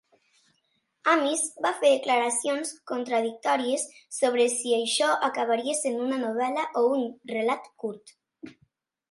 Amis va fer declaracions contradictòries sobre si això acabaria sent una novel·la o un relat curt.